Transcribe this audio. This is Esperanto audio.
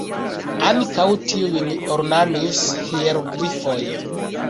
Ankaŭ tiujn ornamis hieroglifoj.